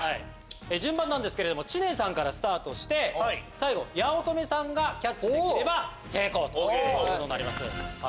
順番なんですけれども知念さんからスタートして最後八乙女さんがキャッチできれば成功ということになります。